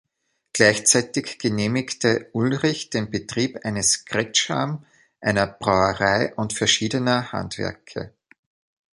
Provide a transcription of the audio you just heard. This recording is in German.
Gleichzeitig genehmigte Ulrich den Betrieb eines Kretscham, einer Brauerei und verschiedener Handwerke.